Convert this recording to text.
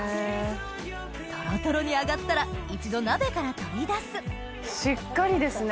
トロトロに揚がったら一度鍋から取り出すしっかりですね。